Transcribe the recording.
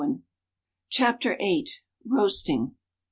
CHAPTER VIII. ROASTING.